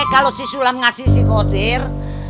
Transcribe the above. kalau si sulam ngasih si kodir